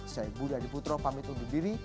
saya budha diputro pamit undur diri